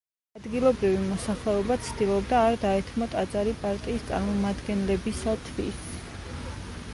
ადგილობრივი მოსახლეობა ცდილობდა არ დაეთმო ტაძარი პარტიის წარმომადგენლებისათვის.